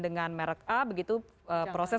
dengan merek a begitu proses